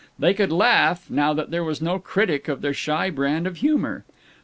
They could laugh, now that there was no critic of their shy brand of humor.